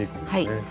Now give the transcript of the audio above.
はい。